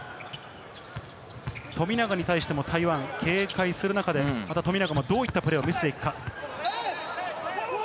富永に対しても台湾、警戒する中で富永もどういったプレーを見せていくか。